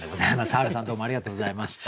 Ｈａｒｕさんどうもありがとうございました。